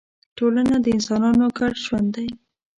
ټولنه د انسانانو ګډ ژوند دی.